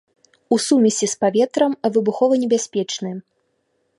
У сумесі з паветрам выбухованебяспечны.